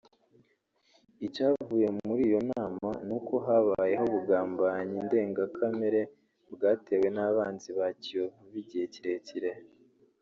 Icyavuye muri iyo nama nuko habayeho ubugambanyi ndengakamere bwatewe n’abanzi ba kiyovu bigihe kirekire